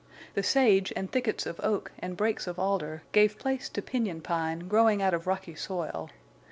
The sage and thickets of oak and brakes of alder gave place to piñon pine growing out of rocky soil.